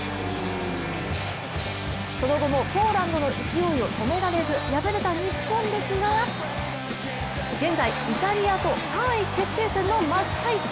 その後もポーランドの勢いを止められず敗れた日本ですが現在、イタリアと３位決定戦の真っ最中。